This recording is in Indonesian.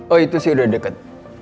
oh itu sih udah deket